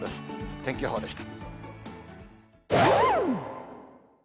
天気予報でした。